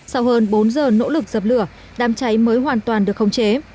sau hơn bốn giờ nỗ lực dập lửa đám cháy mới hoàn toàn được khống chế